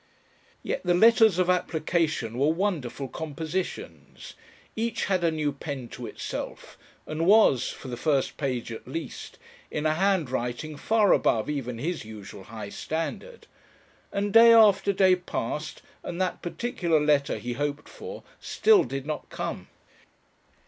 Yet the letters of application were wonderful compositions; each had a new pen to itself and was for the first page at least in a handwriting far above even his usual high standard. And day after day passed and that particular letter he hoped for still did not come.